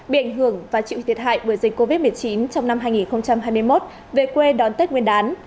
bị ảnh hưởng và chịu thiệt hại bởi dịch covid một mươi chín trong năm hai nghìn hai mươi một về quê đón tết nguyên đán